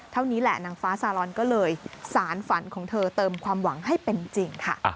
นี้แหละนางฟ้าซาลอนก็เลยสารฝันของเธอเติมความหวังให้เป็นจริงค่ะ